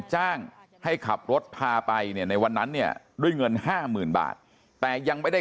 จ้างให้ขับรถพาไปในวันนั้นเนี่ยไร่เงิน๕๐๐๐๐บาทแต่ยังไม่ได้